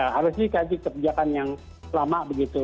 harus dikaji kebijakan yang lama begitu